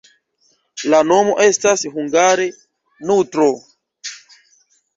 La nomo estas hungare: nutro.